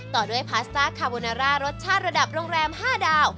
ต่อด้วยพาสต้าคาโบนาร่ารสชาติระดับโรงแรม๕ดาว